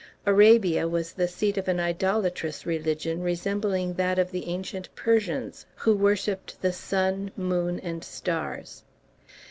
Arabia was the seat of an idolatrous religion resembling that of the ancient Persians, who worshipped the sun, moon, and stars.